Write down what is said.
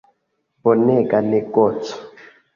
Bonega negoco.